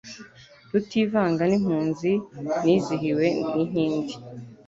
Rutivanga n'impunzi nizihiwe n'inkindi